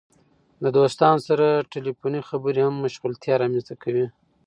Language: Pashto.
د دوستانو سره ټیلیفوني خبرې هم مشغولتیا رامنځته کوي.